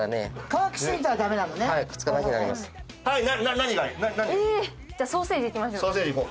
何がいい？じゃあソーセージいきましょう。